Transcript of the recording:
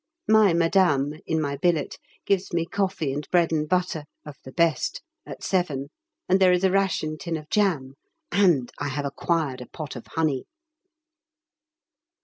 My Madame (in my billet) gives me coffee and bread and butter (of the best) at 7, and there is a ration tin of jam, and I have acquired a pot of honey.